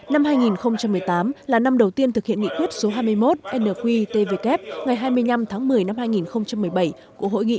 năm hai nghìn một mươi tám là năm đầu tiên thực hiện nghị quyết số hai mươi một nqtvk ngày hai mươi năm tháng một mươi năm hai nghìn một mươi bảy của hội nghị